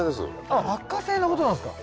あっ落花生のことなんすか。